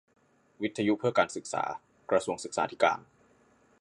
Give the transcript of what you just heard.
วิทยุเพื่อการศึกษา กระทรวงศึกษาธิการ